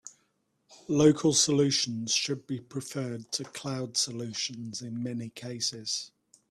Local solutions should be preferred to cloud solutions in many cases.